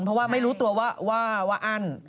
เพราะว่าไม่รู้ตัวว่าอั้น